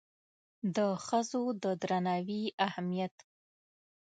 د ښځو د درناوي اهمیت